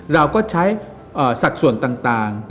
เราก็ใช้สัดส่วนต่าง